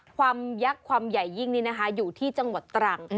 ยักษ์ความใหญ่ยิ่งนี้นะคะอยู่ที่จังหวัดตรัง